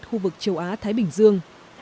khu vực châu á thái bình dương